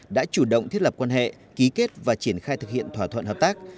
đã chủ động thiết lập quan hệ ký kết và triển khai thực hiện thỏa thuận hợp tác